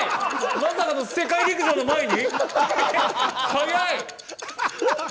まさかの世界陸上の前に？